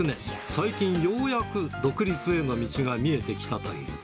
最近、ようやく独立への道が見えてきたという。